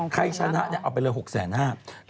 ใครชนะเอาไปเลย๖๕๐๐บาท